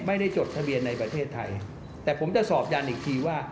จดทะเบียนในประเทศไทยแต่ผมจะสอบยันอีกทีว่า